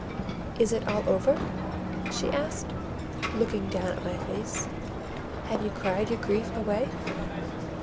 "Is it all over?" she asked, looking down at my face. "Have you cried your grief away?"